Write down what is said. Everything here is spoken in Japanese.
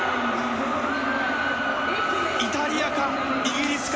イタリアか、イギリスか。